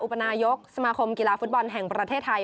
ปนายกสมาคมกีฬาฟุตบอลแห่งประเทศไทย